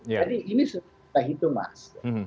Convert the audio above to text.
jadi ini sudah kita hitung mas